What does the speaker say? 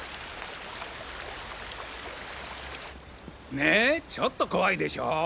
ねえちょっと怖いでしょ？